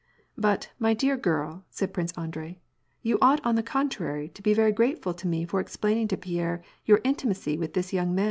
" But, my dear girl," said Prince Andrei, " vou ought, on the contrary, to be very grateful to me for explaining to Pierre your intimacy with this young man."